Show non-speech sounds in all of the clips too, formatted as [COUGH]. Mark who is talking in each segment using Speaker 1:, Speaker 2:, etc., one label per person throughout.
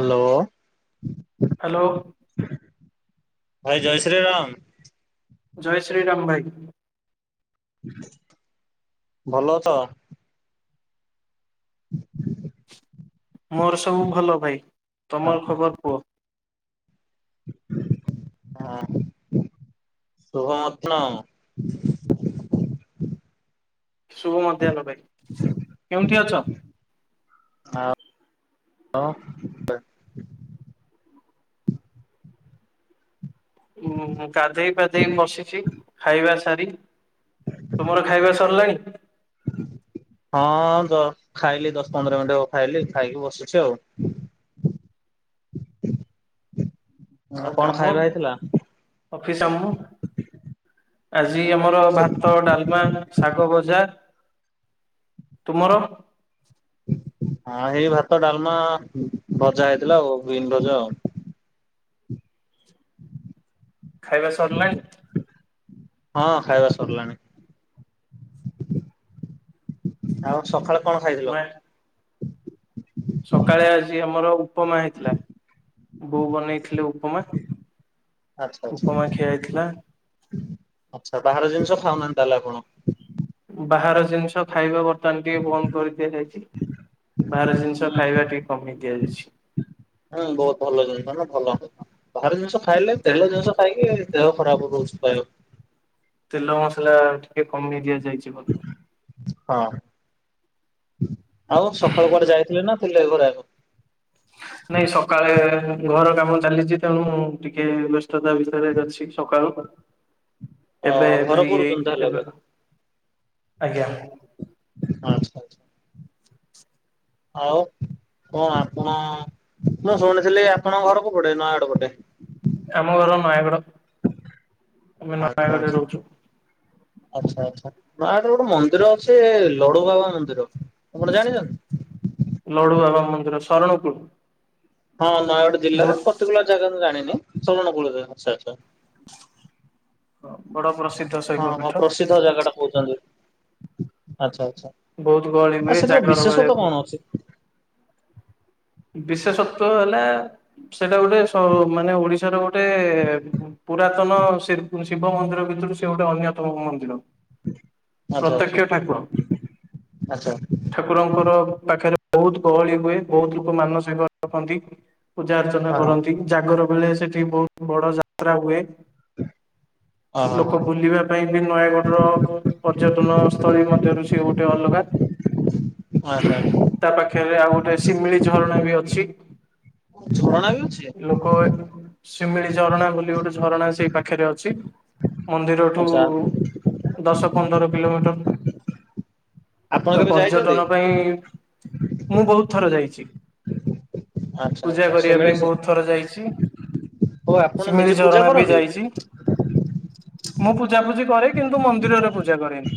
Speaker 1: Hello. [INAUDIBLE]
Speaker 2: Hello.
Speaker 1: ଭାଇ ଜୟ ଶ୍ରୀ ରାମ।
Speaker 2: ଜୟ ଶ୍ରୀ ରାମ ଭାଇ।
Speaker 1: ଭଲ ଅଛ?
Speaker 2: ମୋର ସବୁ ଭଲ ଭାଇ,
Speaker 1: ହଁ
Speaker 2: ତମର ଖବର କୁହ?
Speaker 1: ହଁ ଶୁଭ [UNINTELLIGIBLE]
Speaker 2: ଶୁଭ ମଧ୍ୟାହ୍ନ ଭାଇ କେଉଁଠି ଅଛ?
Speaker 1: ହାଁ ଓ।
Speaker 2: ଉ ଗାଧେଇ ପାଧେଇ ବସିଛି ଖାଇବା ସାରି। ତୁମର ଖାଇବା ସରିଲାଣି?
Speaker 1: ହଁ ଦ ଖାଇଲି ଦଶ ପନ୍ଦର ମିନିଟବ ଖାଇଲି ଖାଇକି ବସୁଛି ଆଉ।
Speaker 2: ଆଉ
Speaker 1: କଣ
Speaker 2: କାମ,
Speaker 1: ଖାଇବା ହେଇଥିଲା?
Speaker 2: ଅଫିସ ଆମ ଆଜି ଆମର ଭାତ ଡାଲମା ଶାଗ ଭଜା, ତୁମର?
Speaker 1: ହଁ ସେଇ ଭାତ ଡାଲମା ଭଜା ହେଇଥିଲା ଆଉ ବିନ ଭଜା ଆଉ।
Speaker 2: ଖାଇବା ସରିଲାଣି?
Speaker 1: ହଁ ଖାଇବା ସରିଲାଣି। ଆଉ ସକାଳେ କଣ
Speaker 2: ନା
Speaker 1: ଖାଇଥିଲ?
Speaker 2: ସକାଳେ ଆଜି ଆମର ଉପମା ହେଇଥିଲା। ବୋଉ ବନେଇଥିଲେ ଉପମା।
Speaker 1: ଆଛା
Speaker 2: ଉପମା ଖିଆ ହେଇଥିଲା।
Speaker 1: ଆଛା ବାହାର ଜିନିଷ ଖାଉନାହାନ୍ତି ତାହେଲେ ଆପଣ?
Speaker 2: ବାହାର ଜିନିଷ ଖାଇବା ବ ଦୋକାନ ଟିକେ ବନ୍ଦ କରି ଦିଆଯାଇଛି ବାହାର ଜିନିଷ ଖାଇବା ଟିକେ କମେଇ ଦିଆଯାଇଛି।
Speaker 1: ହୁଁ ବହୁତ ଭଲ ଜିନିଷ ଭଲ ବାହାର ଜିନିଷ ଖାଇଲେ
Speaker 2: ତେ
Speaker 1: ତେଲ ଜିନିଷ ଖାଇକି ଦେହ ଖରାପ ହେଉଚି କହିଲ।
Speaker 2: ତେଲ ମସଲା ଟିକେ କମେଇ ଦିଆଯାଇଛି। ବୋଧେ।
Speaker 1: ହ ହଁ ଆଉ ସକାଳୁ କୁଆଡ଼େ ଯାଇଥିଲେ ନା ଥିଲେ ଏ ଘରେ ଆଗକୁ।
Speaker 2: ନାଇଁ ସକାଳେ ଘର କାମ ଚାଲିଛି ତେଣୁ ଟିକେ ବ୍ୟସ୍ତତା ଭିତରେ ଚାଲିଛି ସକାଳୁ।
Speaker 1: ହଁ
Speaker 2: ଏବେ
Speaker 1: ଘର
Speaker 2: ଫ୍ରି
Speaker 1: କରୁଛନ୍ତି
Speaker 2: ହେଇକି
Speaker 1: ତାହଲେ ଏବେ?
Speaker 2: ଆଜ୍ଞା।
Speaker 1: ଆଛା ଆଛା। ଆଉ କଣ ଆପଣ ମୁଁ ଶୁଣିଥିଲି ଆପଣଙ୍କ ଘର କୋଉପଟେ ନୟାଗଡ ପଟେ।
Speaker 2: ଆମ ଘର ନୟାଗଡ଼। ଆମେ
Speaker 1: ଆଛା
Speaker 2: ନୟାଗଡ଼ରେ
Speaker 1: ଆଛା।
Speaker 2: ରହୁଛୁ
Speaker 1: ଆଛା ଆଛା ଗୋଟେ ମନ୍ଦିର ଅଛି ଲଡୁବାବା ମନ୍ଦିର ଆପଣ ଜାଣିଛନ୍ତି?
Speaker 2: ଲଡୁ ବାବା ମନ୍ଦିର ଶରଣକୁଳ।
Speaker 1: ହଁ ନୟାଗଡ଼ ଜିଲ୍ଲାରେ
Speaker 2: ବହୁତ
Speaker 1: ପର୍ଟିକୁଲର ଜାଗା ମୁଁ ଜାଣିନି ଆଛା?
Speaker 2: ବଡ ପ୍ରସିଦ୍ଧ
Speaker 1: ହଁ
Speaker 2: ଶୈବ
Speaker 1: ହଁ
Speaker 2: ପୀଠ
Speaker 1: ପ୍ରସିଦ୍ଧ ଜାଗା ଟା କହୁଛନ୍ତି ଆଛା ଆଛା।
Speaker 2: ବହୁତ ଗହଳି ହୁଏ
Speaker 1: ଆ ସେଟାର
Speaker 2: ଜାଗର
Speaker 1: ବିଶେଷତ୍ଵ
Speaker 2: ବେଳକୁ
Speaker 1: କଣ ଅଛି?
Speaker 2: ବିଶେଷତ୍ବ ହେଲା ସେଇଟା ଗୋଟେ ମାନେ ଓଡିଶାର ଗୋଟେ ଗୋଟେ ପୁରାତନ ଶିବ ମନ୍ଦିର ଭିତରୁ ସେ ଗୋଟେ ଅନ୍ୟତମ ମନ୍ଦିର।
Speaker 1: ଆଚ୍ଛା
Speaker 2: ପ୍ରତ୍ୟକ୍ଷ
Speaker 1: ଆଚ୍ଛା
Speaker 2: ଠାକୁର।
Speaker 1: ଆଚ୍ଛା
Speaker 2: ଠାକୁରଙ୍କର ପାଖରେ ବହୁତ ଗହଳି ହୁଏ ବହୁତ ଲୋକ ମାନସିକ ରଖନ୍ତି। ପୂଜା ଅର୍ଚ୍ଚନା
Speaker 1: ଅ ହ
Speaker 2: କରନ୍ତି ଜାଗର ବେଳେ ସେଠି ବହୁତ ବଡ ଯାତ୍ରା ହୁଏ।
Speaker 1: ଅ ହ ହ
Speaker 2: ଲୋକ ବୁଲିବେ ପାଇଁ ବି ନୟାଗଡର ପର୍ଯ୍ୟଟନ ସ୍ଥଳୀ ମଧ୍ୟରୁ ସେ ଗୋଟେ ଅଲଗା।
Speaker 1: ଆଛା।
Speaker 2: ତା ପାଖରେ ଆଉ ଗୋଟେ ଶିମିଳି ଝରଣା ବି ଅଛି।
Speaker 1: ଝରଣା ବି ଅଛି।
Speaker 2: ଅୟ ଶିମିଳି ଝରଣା ବୋଲି ଗୋଟେ ଝରଣା ସେଇ ପାଖରେ ଅଛି। ମନ୍ଦିରଠୁ
Speaker 1: ଆଚ୍ଛା।
Speaker 2: ଦଶ ପନ୍ଦର କିଲୋମିଟର
Speaker 1: ଆପଣ
Speaker 2: ତ
Speaker 1: କେବେ ଯାଇଛନ୍ତି?
Speaker 2: ପର୍ଯ୍ୟଟନ ପାଇଁ ମୁଁ ବହୁତ ଥର ଯାଇଛି।
Speaker 1: ଆଚ୍ଛା
Speaker 2: ପୂଜା
Speaker 1: ଆଚ୍ଛା
Speaker 2: କରିବା
Speaker 1: ଶିମିଳି
Speaker 2: ପାଇଁ ବହୁତ ଥର ଯାଇଛି।
Speaker 1: ଓ ଆପଣ ନିଜେ
Speaker 2: ଶିମିଳି
Speaker 1: ପୂଜା
Speaker 2: ଝରଣା ବି
Speaker 1: କରନ୍ତି?
Speaker 2: ଯାଇଛି। ମୁଁ ପୂଜାପୂଜି କରେ କିନ୍ତୁ ମନ୍ଦିରରେ ପୂଜା କରେନି।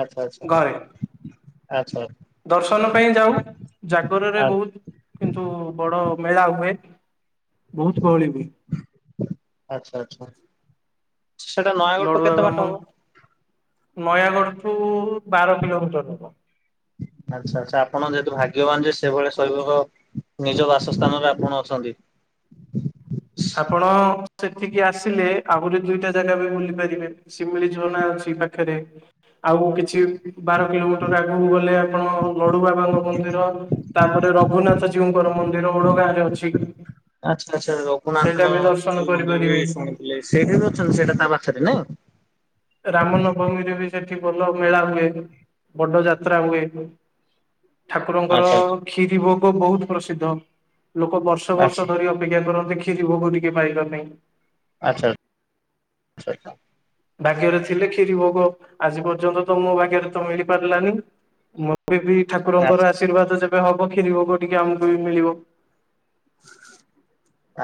Speaker 1: ଆଚ୍ଛା ଆଚ୍ଛା
Speaker 2: ଘରେ
Speaker 1: ଆଚ୍ଛା
Speaker 2: ଦର୍ଶନ ପାଇଁ ଯାଉ ଜା ଏବେ
Speaker 1: ଆ
Speaker 2: ବହୁତ କିନ୍ତୁ ବଡ ମେଳା ହୁଏ ବହୁତ ଗହଳି ହୁଏ।
Speaker 1: ଆଚ୍ଛା ଆଛା।
Speaker 2: ଲଡୁବାବା ମ ନୟାଗଡ଼ଠୁ ବାର କିଲୋମିଟର ହବ।
Speaker 1: ଆଚ୍ଛା ଆଛା ଆପଣ ଯେହେତୁ ଭାଗ୍ୟବାନ ଯେ ସେଭଳି ଶୈବ ନିଜ ବାସସ୍ଥାନ ରେ ଆପଣ ଅଛନ୍ତି।
Speaker 2: ଆପଣ ସେଠିକି ଆସିଲେ ଆହୁରି ଦିଇଟା ଜାଗା ବି ବୁଲି ପାରିବେ? ଶିମିଳି ଝରନା ଅଛି ପାଖରେ ଆଉ କିଛି ବାର କିଲୋମିଟର ଆଗକୁ ଗଲେ ଆପଣ ନଡୁ ବାବାଙ୍କ ମନ୍ଦିର ତାପରେ ରଘୁନାଥ ଜୀଉଙ୍କର ମନ୍ଦିର ଓଡ ଗାଁ ରେ ଅଛି
Speaker 1: ଆଚ୍ଛା ଆଚ୍ଛା ରଘୁନାଥ
Speaker 2: ସେଇଟା ବି ଦର୍ଶନ
Speaker 1: ଜଉ ମନ୍ଦିର ବି
Speaker 2: କରିପାରିବେ
Speaker 1: ଶୁଣିୁଥିଲେ ସେଇଠି ବି ଅଛନ୍ତି ସେଇଟା ତା ପାଖରେ ନାଇଁ
Speaker 2: ରାମ ନବମୀ ରେ ବି ସେଠି ଭଲ ମେଳା ହୁଏ ବଡ ଯାତ୍ରା ହୁଏ। ଠାକୁରଙ୍କର
Speaker 1: ଆଚ୍ଛା
Speaker 2: କ୍ଷୀରି ଭୋଗ ବହୁତ ପ୍ରସିଦ୍ଧ ଲୋକ ବର୍ଷ
Speaker 1: ଆଚ୍ଛା
Speaker 2: ବର୍ଷ ଧରି। ଅପେକ୍ଷା କରନ୍ତେ କ୍ଷୀରି ଭୋଗ ଟିକେ ପାଇବା ପାଇଁ
Speaker 1: ଆଚ୍ଛା ସରିଲା
Speaker 2: ଭାଗ୍ୟରେ ଥିଲେ କ୍ଷୀରି ଭୋଗ ଆଜି ପର୍ଯ୍ୟନ୍ତ ତ ମୋ ଭାଗ୍ୟରେ ତ ମିଳି ପାରିଲାନି ବବି ଠାକୁରଙ୍କର
Speaker 1: ଆଚ୍ଛା
Speaker 2: ଆଶୀର୍ବାଦ ଯେବେ ହବ କ୍ଷୀରି ଭେଗ ଟିକେ ଆମକୁ ବି ମିଳିବ।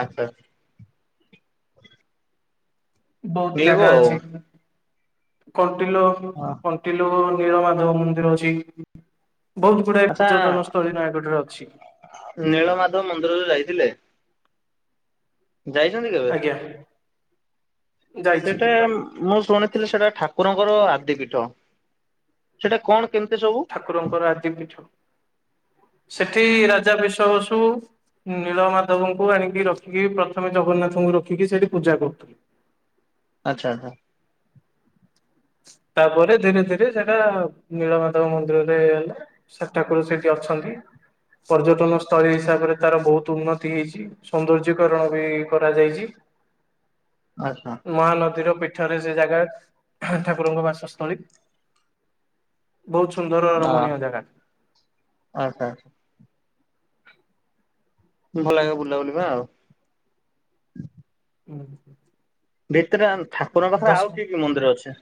Speaker 1: ଆଛା [UNINTELLIGIBLE]
Speaker 2: ବହୁତ
Speaker 1: ମିଳିବ
Speaker 2: ଜାଗା
Speaker 1: ଆଉ
Speaker 2: ଅଛି କଣ୍ଟିଲୋ। କିଲ ନୀଳମାଧବ ମନ୍ଦିର ଅଛି। ବହୁତ ଗୁଡାଏ
Speaker 1: ଆଚ୍ଛା
Speaker 2: ପର୍ଯ୍ୟଟନ ସ୍ଥଳୀ ନୟାଗଡ଼ରେ ଅଛି।
Speaker 1: ନୀଳମାଧବ ମନ୍ଦିରରେ ଯାଇଥିଲେ। ଯାଇଛନ୍ତି କେବେ
Speaker 2: ଆଜ୍ଞା ଯାଇଛି।
Speaker 1: ସେଟା ମୁଁ ଶୁଣେ ଥିଲେ ସେଟା ଠାକୁରଙ୍କର ଆଦି ପୀଠ ସେଟା କଣ କେମିତି ସବୁ
Speaker 2: ଠାକୁରଙ୍କର ଆଦି ପୀଠ ସେଠି ରାଜା ବିଷବସୁ। ନୀଳ ମାଧବଙ୍କୁ ଆଣିକି ରଖିକି ପ୍ରଥମେ ଜଗନ୍ନାଥଙ୍କୁ ରଖିକି ସେଠି ପୂଜା କରୁଥିଲି।
Speaker 1: ଆଚ୍ଛା
Speaker 2: ତାପରେ ଧୀରେ ଧୀରେ ସେଇଟା ନୀଳମାଧଵ ମନ୍ଦିରରେ ହେଲା। ଠାକୁର ସେଠି ଅଛନ୍ତି ପର୍ଯ୍ୟଟନ ସ୍ଥଳୀ ହିସାବରେ ତାର ବହୁତ ଉନ୍ନତି ହେଇଛି। ସୌନ୍ଦର୍ଯ୍ୟକରଣ ବି କରାଯାଇଛି
Speaker 1: ଆଚ୍ଛା
Speaker 2: ମହାନଦୀର ପୀଠରେ ସେ ଜାଗା। ଠାକୁରଙ୍କ ବାସସ୍ଥଳୀ ବହୁତ ସୁନ୍ଦର ରମଣୀୟ ଜାଗା।
Speaker 1: ଆଛା ଆଛା [UNINTELLIGIBLE] ଭଲ ଲାଗେ ବୁଲା ବୁଲିବା ଆଉ।
Speaker 2: ହୁଁ [INAUDIBLE]
Speaker 1: ଭିତରେ ଠାକୁରଙ୍କ ପାଖରେ ଆଉ କି କି ମନ୍ଦିର ଅଛି।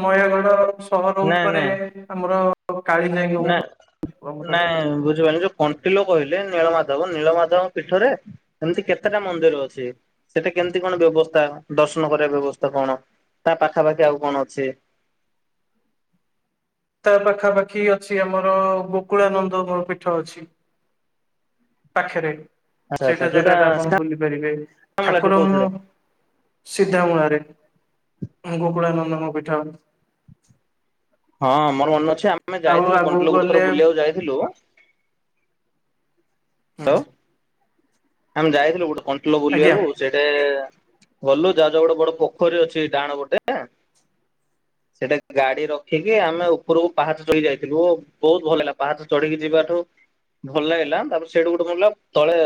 Speaker 2: ନୟାଗଡ଼ ସହର
Speaker 1: ନାଇଁ
Speaker 2: ଉପରେ
Speaker 1: ନାଇଁ
Speaker 2: ଆମର କାଳିଜାଇ
Speaker 1: ନା
Speaker 2: ଆମର
Speaker 1: ନାଇଁ ବୁଝପନି ଯୋଉ କଣ୍ଟିଲୋ କହିଲେ ନୀଳମାଧବ ନୀଳମାଧବ ପୀଠରେ ଏମିତି କେତେଟା ମନ୍ଦିର ଅଛି ସେଟା କେମିତି କଣ ବ୍ୟବସ୍ଥା ଦର୍ଶନ କରିବା ବ୍ୟବସ୍ଥା କଣ ତା ପାଖାପାଖି ଆଉ କଣ ଅଛି
Speaker 2: ତା ପାଖାପାଖି ଅଛି ଆମର ବକୁଳାନନ୍ଦର ପୀଠ ଅଛି। ପାଖରେ
Speaker 1: ଆଚ୍ଛା ଆଚ୍ଛା
Speaker 2: ସେଇଟା
Speaker 1: ଯୋଉଟା
Speaker 2: ଜାଗା ଟା ଆପଣ
Speaker 1: ସିଧା
Speaker 2: ବୁଲି ପାରିବେ
Speaker 1: ମୂଳାଟି କହୁଥିଲେ।
Speaker 2: ଠାକୁରଙ୍କୁ ସିଧା ମୂଳାରେ ଗୋକୁଳାନନ୍ଦଙ୍କ ପୀଠ।
Speaker 1: ହଁ ମୋର ମନେ ଅଛି ଆମେ
Speaker 2: ଆଉ
Speaker 1: ଯାଇଥିଲୁ
Speaker 2: ଆଗକୁ
Speaker 1: କଣ୍ଟଲ ଗୋଟେ ଥର
Speaker 2: ଗଲେ
Speaker 1: ବୁଲିବାକୁ ଯାଇଥିଲୁ ହଲ ଆମେ ଯାଇଥିଲୁ ଗୋଟେ କଣ୍ଟଲ
Speaker 2: ଆଜ୍ଞା
Speaker 1: ବୁଲିବାକୁ ସେଠ ଗଟେ ଭଲୁ ଯାହାଜ ଗୋଟେ ବଡ ପୋଖରୀ ଅଛି ଡାଣ ଗୋଟେ ସେଟା ଗାଡି ରଖିକି ଆମେ ଉପରକୁ ପାହାଚ ଚଢ଼ି ଯାଇଥିଲୁ। ବହୁତ ଭଲ ହୋଗା ପାହାଚ ଚଢିକି ଯିବାଠୁ ଭଲ ଲାଗିଲା ତାପରେ ସେଇଠୁ ଗୋଟେ କଣ ହେଲା ତଳେ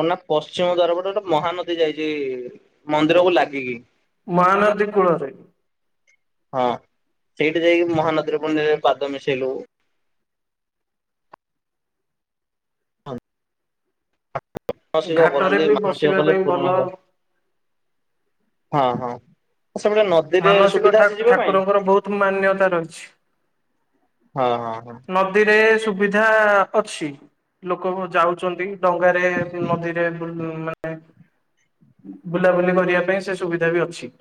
Speaker 1: କଣ ନା ପଶ୍ଚିମ ଦ୍ଵାରପଟେ ଗୋଟେ ମହାନଦୀ ଯାଇଛି ମନ୍ଦିର କୁ ଲାଗିକି।
Speaker 2: ମହାନଦୀ କୂଳରେ
Speaker 1: ହଁ ସେଇଠି ଯାଇକି ମହାନଦୀରେ ପୁଣି ଥରେ ପାଦ ମିଶେଇଲୁ। ମାନସିକ
Speaker 2: ଘାଟରେ
Speaker 1: କରନ୍ତି
Speaker 2: ବି
Speaker 1: ମାନସିକ
Speaker 2: ବସିବା
Speaker 1: କଲେ
Speaker 2: ପାଇଁ ଭଲ
Speaker 1: ପୁରୁଣ ହୁଏ। ହଁ ହଁ ସେପଟରେ ନ
Speaker 2: ମାନସିକ ଠା ଠାକୁରଙ୍କର ବହୁତ ମାନ୍ୟତା ରହିଛି।
Speaker 1: ହଁ ହଁ ହଁ।
Speaker 2: ନଦୀରେ ସୁବିଧା ଅଛି ଲୋକ ଯାଉଚନ୍ତି। ଡଙ୍ଗାରେ ଫି ନଦୀରେ ଫୁଣି ମାନେ। ବୁଲାବୁଲି କରିବା ପାଇଁ ସେ ସୁବିଧା ବି ଅଛି।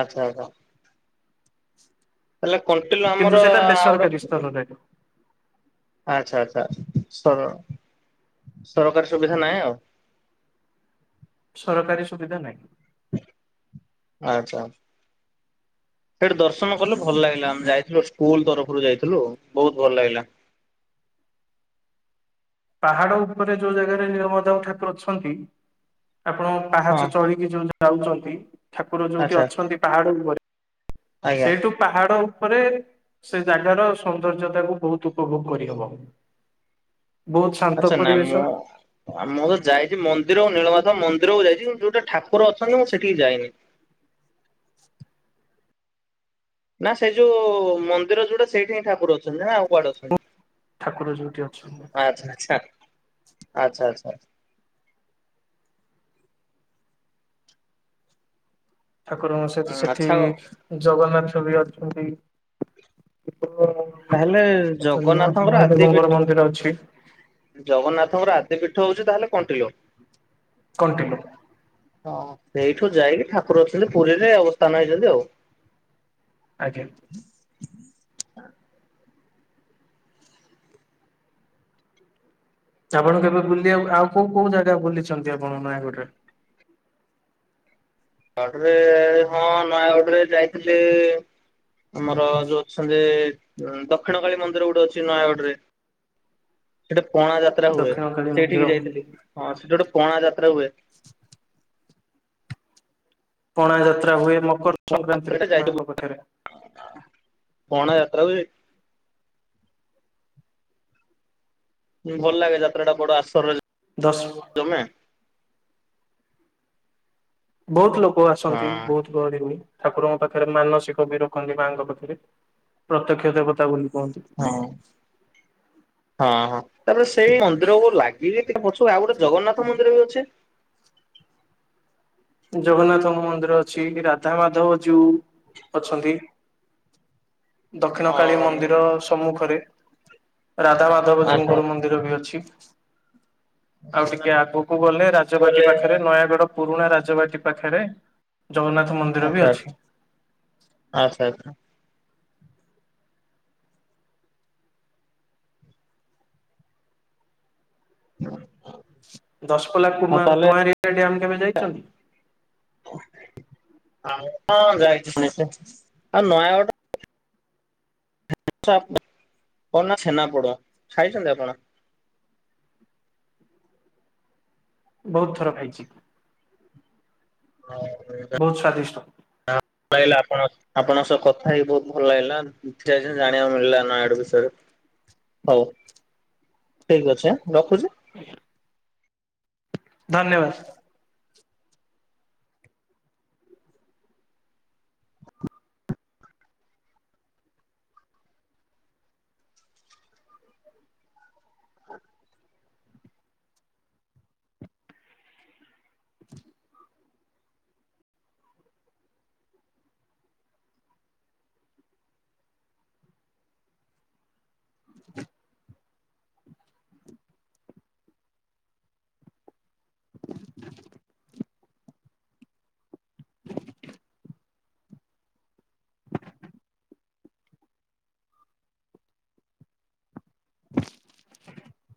Speaker 1: ଆଚ୍ଛା ଆଚ୍ଛା। ହେଲେ କଣ୍ଟିଲ
Speaker 2: କିନ୍ତୁ
Speaker 1: ଆମର
Speaker 2: ସେଟା
Speaker 1: ଆଉ
Speaker 2: ବେସରକାରୀ
Speaker 1: ଗୋଟେ
Speaker 2: ସ୍ତରରେ
Speaker 1: ଆଚ୍ଛା ଆଚ୍ଛା ସର ସରକାରୀ ସୁବିଧା ନାହିଁ ଆଉ।
Speaker 2: ସରକାରୀ ସୁବିଧା ନାହିଁ।
Speaker 1: ଆଚ୍ଛା ସେଠି ଦର୍ଶନ କଲେ ଭଲ ଲାଗିଲା ଆମେ ଯାଇଥିଲୁ ସ୍କୁଲ ତରଫରୁ ଯାଇଥିଲୁ ବହୁତ ଭଲ ଲାଗିଲା।
Speaker 2: ପାହାଡ ଉପରେ ଯୋଉ ଜାଗାରେ ନିୀଳ ମାଧବ ଠାକୁର ଅଛନ୍ତି ଆପଣ
Speaker 1: ହଁ
Speaker 2: ପାହାଚ ଚଳି ଇଏ ଯୋଉ ଯାଉଛନ୍ତି ଠାକୁର ଯୋଉଠି
Speaker 1: ଆଚ୍ଛା
Speaker 2: ଅଛନ୍ତି ପାହାଡ ଉପରେ।
Speaker 1: ଆଜ୍ଞା
Speaker 2: ସେଇଠୁ ପାହାଡ ଉପରେ ସେ ଜାଗାର ସୌନ୍ଦର୍ଯ୍ୟତା କୁ ବହୁତ ଉପଭୋଗ କରିହବ। ବହୁତ ଶାନ୍ତ
Speaker 1: ଆଛା
Speaker 2: ପରିବେଶ
Speaker 1: ନାମ ଆଉ ମୁଁ ତ ଯାଇଛି ମନ୍ଦିର ଆଉ ନୀଳମାଧ ମନ୍ଦିର କୁ ଯାଇଛି କିନ୍ତ ଯୋଉଠେ ଠାକୁର ଅଛନ୍ତି ମୁଁ ସେଠିକି ଯାଇନି। ନା ସେ ଯୋଉ ମନ୍ଦିର ଯୋଉଟା ସେଇଠେ ହିଁଠାକୁର ଅଛନ୍ତି ନା ଆଉ କୁଆଡେ ଅଛନ୍ତି।
Speaker 2: ଠାକୁର ଯୋଉଠି ଅଛନ୍ତି
Speaker 1: ଆଛା -ଆଛା- ଆଛା -ଆଛା।
Speaker 2: ଠାକୁରଙ୍କ ସହିତ ସେଠି
Speaker 1: ଆଚ୍ଛା ଆଉ
Speaker 2: ଜଗନ୍ନାଥ ବି ଅଛନ୍ତି।
Speaker 1: ତାହେଲେ
Speaker 2: ଅଛନ୍ତି ନାଥ
Speaker 1: ଜଗନ୍ନାଥଙ୍କର ଆଦି ପୀଠ
Speaker 2: ମହାଦେବଙ୍କର ମନ୍ଦିର ଅଛି।
Speaker 1: ଜଗନ୍ନାଥଙ୍କର ଆଦି ପୀଠ ହଉଛି ତାହେଲେ କଣ୍ଟିଲ।
Speaker 2: କଣ୍ଟିଲୋ।
Speaker 1: ହଁ ସେଇଠୁ ଯାଇକି ଠାକୁର ଅଛନ୍ତି ପୁରୀରେ ଅବସ୍ଥାନ ହେଇଛନ୍ତି ଆଉ।
Speaker 2: ଆଜ୍ଞା। ଆପଣ କେବେ ବୁଲିବାକୁ ଆଉ କୋଉ କୋଉ ଜାଗା ବୁଲିଛନ୍ତି ଆପଣ ନୟାଗଡରେ?
Speaker 1: ତାପରେ ହଁ ନୟାଗଡରେ ଯାଇଥିଲି। ଆମର ଯୋଉ ଅଛନ୍ତି ଦକ୍ଷିଣ କାଳୀ ମନ୍ଦିର ଗୋଟେ ଅଛି ନୟାଗଡ ରେ। ସେଠେ ପଣା ଯାତ୍ରା ହୁଏ
Speaker 2: ଦକ୍ଷିଣ କାଳୀ
Speaker 1: ସେଇଠିକି
Speaker 2: ମନ୍ଦିର
Speaker 1: ଯାଇଥିଲି ହଁ ସେ ଯଉଠେ ପଣା ଯାତ୍ରା ହୁଏ।
Speaker 2: ପଣା ଯାତ୍ରା ହୁଏ ମ
Speaker 1: [INAUDIBLE] ପଣା ଯାତ୍ରା ହୁଏ। ଭଲ ଲାଗେ ଯାତ୍ରା ଟା ବଡ ଆସର
Speaker 2: ଦଶ
Speaker 1: ଜମେ
Speaker 2: ବହୁତ ଲୋକ ଆସନ୍ତି
Speaker 1: ହଁ।
Speaker 2: ବହୁତ ଗହଳି ହୁଏ ଠାକୁରଙ୍କ ପାଖେରେ ମାନସିକ ବି ରଖନ୍ତି ମାଙ୍କ ପାଖେରେ। ପ୍ରତ୍ୟକ୍ଷ ଦେବତା ବୋଲି କୁହନ୍ତି।
Speaker 1: ହଁ। ହଁ ହଁ ତାପରେ ସେଇ ମନ୍ଦିରକୁ ଲାଗିବି ଟିକେ ପଛୁ ଆଉ ଗୋଟେ ଜଗନ୍ନାଥ ମନ୍ଦିର ବି ଅଛି।
Speaker 2: ଜଗନ୍ନାଥଙ୍କ ମନ୍ଦିର ଅଛି ରାଧାମାଧବ ଜୀଉ ଅଛନ୍ତି। ଦକ୍ଷିଣକାଳୀ
Speaker 1: ହଁ
Speaker 2: ମନ୍ଦିର ସମ୍ମୁଖରେ ରାଧାମାଧବ
Speaker 1: ଆଚ୍ଛା ଆଚ୍ଛା
Speaker 2: ଜୀଉଙ୍କର ମନ୍ ନ୍ଦୀର ବି ଅଛି ଆଉ ଟିକେ ଆଗକୁ ଗଲେ ରାଜବାଟି ପାଖରେ ନୟାଗଡ ପୁରୁଣା ରାଜବାଟି ପାଖେରେ। ଜଗନ୍ନାଥ ମନ୍
Speaker 1: ଆଚ୍ଛା ଆଚ୍ଛା ଆଚ୍ଛା ଆଚ୍ଛା।
Speaker 2: ଦଶପଲ୍ଲା
Speaker 1: ଆଉ
Speaker 2: କୁମା
Speaker 1: ତାହେଲେ
Speaker 2: କୁଆଁରିଆ ଡ଼୍ୟାମ କେବେ ଯାଇଛନ୍ତି?
Speaker 1: ହଁ ଯାଇଛି ଆଉ ନୟାଗଡ଼ [UNINTELLIGIBLE] କଣ ନା ଛେନାପୋଡ଼ ଖାଇଛନ୍ତି ଆପଣ?
Speaker 2: ବହୁତ୍ ଥର ଖାଇଚି।
Speaker 1: [UNINTELLIGIBLE]
Speaker 2: ବହୁତ୍ ସ୍ଵାଦିଷ୍ଟ।
Speaker 1: [UNINTELLIGIBLE] ଚାହିଁଲେ ଆପଣସ୍ ଆପଣଙ୍କ ସହ କଥା ହେଇ ବହୁତ୍ ଭଲ ଲାଗିଲା। କିଛି ଟା ବିଷୟରେ ଜାଣିବାକୁ ମିଳିଲା ନୟାଗଡ ବିଷୟରେ। ହଉ ଠିକ୍ ଅଛି ଆଁ ରଖୁଚି।
Speaker 2: ଧନ୍ୟବାଦ୍।